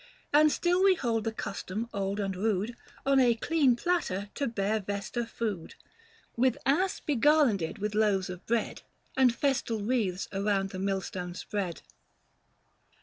And still we hold the custom old and rude On a clean platter to bear Vesta food ; 370 With ass begarlanded with loaves of bread, And festal wreaths around the millstones spread.